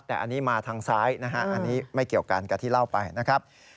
แต่อันนี้มาทางซ้ายนะฮะอันนี้ไม่เกี่ยวกันกับที่เล่าไปนะครับ